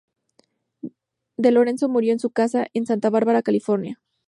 De Lorenzo murió en su casa en Santa Bárbara, California.